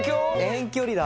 遠距離だ。